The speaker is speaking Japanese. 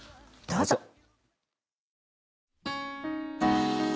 どうぞ。